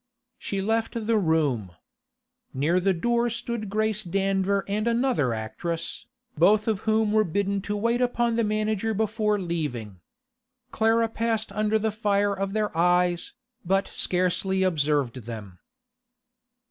She left the room. Near the door stood Grace Danver and another actress, both of whom were bidden to wait upon the manager before leaving. Clara passed under the fire of their eyes, but scarcely observed them.